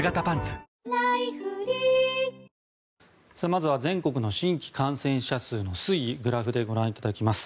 まずは全国の新規感染者数の推移をグラフでご覧いただきます。